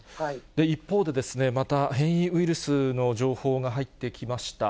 一方で、また変異ウイルスの情報が入ってきました。